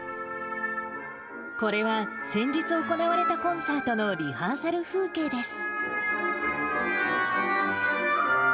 これは、先日行われたコンサートのリハーサル風景です。